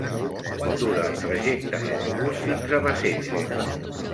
Quant dura el trajecte en autobús fins a Bassella?